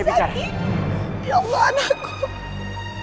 di rumah sakit ya allah anakku